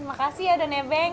makasih ya udah nebeng